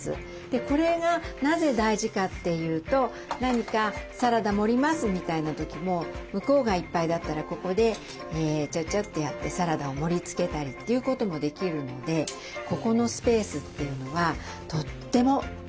これがなぜ大事かっていうと何か「サラダ盛ります」みたいな時も向こうがいっぱいだったらここでちゃちゃっとやってサラダを盛りつけたりということもできるのでここのスペースというのはとっても便利です。